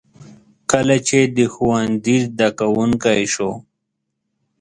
کله چې د ښوونځي زده کوونکی شو.